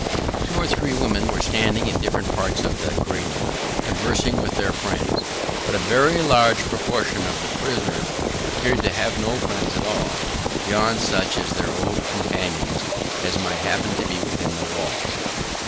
Two or three women were standing at different parts of the grating, conversing with their friends, but a very large proportion of the prisoners appeared to have no friends at all, beyond such of their old companions as might happen to be within the walls.